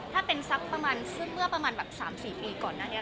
ถ้าเป็นซักประมาณ๓๔ปีก่อนหน้านี้